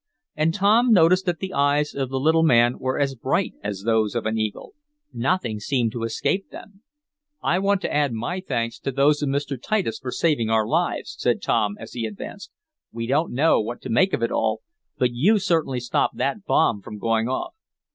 And Tom noticed that the eyes of the little man were as bright as those of an eagle. Nothing seemed to escape them. "I want to add my thanks to those of Mr. Titus for saving our lives," said Tom, as he advanced. "We don't know what to make of it all, but you certainly stopped that bomb from going off."